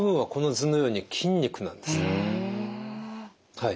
はい。